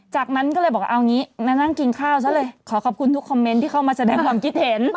จากนั้นก็เลยบอกเอางี้มานั่งกินข้าวซะเลยขอขอบคุณทุกคอมเมนต์ที่เข้ามาแสดงความคิดเห็น